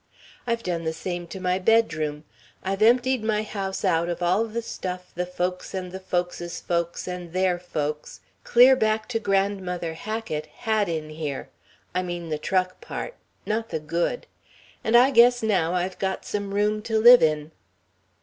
I've done the same to my bedroom. I've emptied my house out of all the stuff the folks' and the folks' folks and their folks clear back to Grandmother Hackett had in here I mean the truck part. Not the good. And I guess now I've got some room to live in."